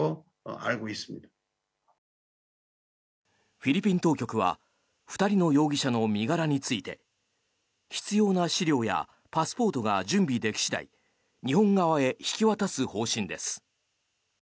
フィリピン当局は２人の容疑者の身柄について必要な資料やパスポートが準備でき次第日本側へ引き渡す方針です。